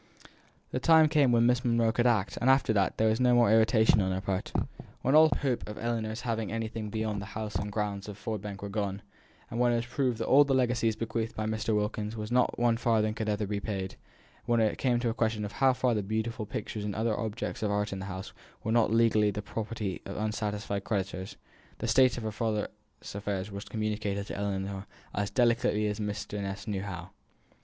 The time came when Miss Monro could act; and after that, there was no more irritation on her part. When all hope of Ellinor's having anything beyond the house and grounds of Ford Bank was gone; when it was proved that all the legacies bequeathed by Mr. Wilkins not one farthing could ever be paid; when it came to be a question how far the beautiful pictures and other objects of art in the house were not legally the property of unsatisfied creditors, the state of her father's affairs was communicated to Ellinor as delicately as Mr. Ness knew how.